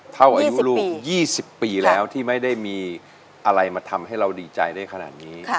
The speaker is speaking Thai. อายุลูก๒๐ปีแล้วที่ไม่ได้มีอะไรมาทำให้เราดีใจได้ขนาดนี้